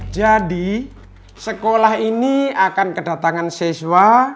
jadi sekolah ini akan kedatangan seswa